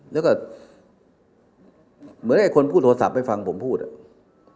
แล้วก็เหมือนให้คนพูดโทรศัพท์ไปฟังผมพูดอ่ะ